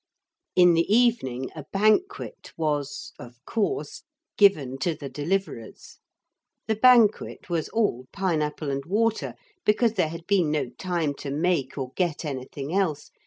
In the evening a banquet was (of course) given to the Deliverers. The banquet was all pine apple and water, because there had been no time to make or get anything else.